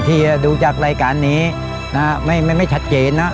ที่ดูจากรายการนี้ไม่ชัดเจนนะ